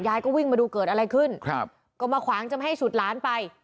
อยากวิ่งไปดูเกิดอะไรขึ้นมาขวางจะไม่ให้ฉุดล้านไป